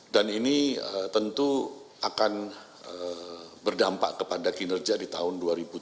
dan ini tentu akan berdampak kepada kinerja di tahun dua ribu tujuh belas